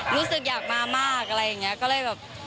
รู้สึกอยากมามากอะไรอย่างนี้ก็เลยแบบ